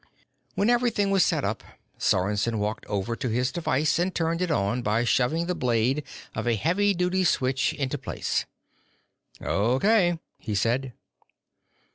When everything was set up, Sorensen walked over to his device and turned it on by shoving the blade of a heavy duty switch into place. "O.K.," he said.